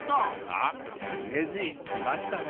あヒゲじい来ましたね。